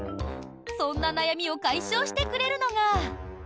そんな悩みを解消してくれるのが。